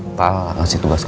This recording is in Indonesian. papa ngasih tugas ke aku